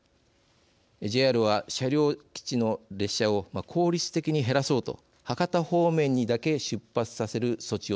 ＪＲは車両基地の列車を効率的に減らそうと博多方面にだけ出発させる措置を取りました。